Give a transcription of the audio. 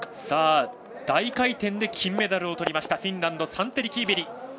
大回転で金メダルをとりましたフィンランドサンテリ・キーベリ。